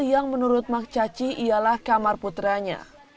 yang menurut mak caci ialah kamar putranya